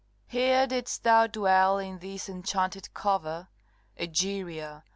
CXVIII. Here didst thou dwell, in this enchanted cover, Egeria!